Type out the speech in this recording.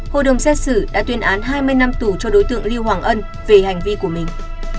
hội đồng xét xử đã tuyên án hai mươi năm tù cho đối tượng liêu hoàng ân về hành vi của mình